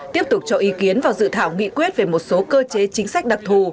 tiếp tục cho ý kiến vào dự thảo nghị quyết về một số cơ chế chính sách đặc thù